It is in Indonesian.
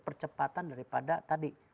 percepatan daripada tadi